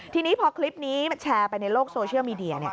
ทีนี้พอคลิปนี้แชร์ไปในโลกโซเชียลมีเดีย